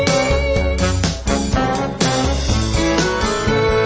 ด่วนชุดท้ายที่สนับที่สุดกาลต